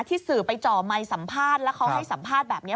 ที่สื่อไปจ่อไมค์สัมภาษณ์แล้วเขาให้สัมภาษณ์แบบนี้